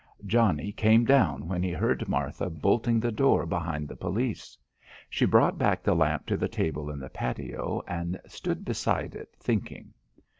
Johnnie came down when he heard Martha bolting the door behind the police. She brought back the lamp to the table in the patio and stood beside it, thinking.